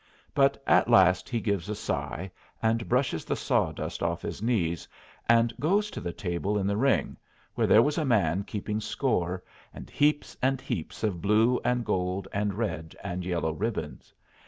But at last he gives a sigh, and brushes the sawdust off his knees, and goes to the table in the ring, where there was a man keeping score, and heaps and heaps of blue and gold and red and yellow ribbons.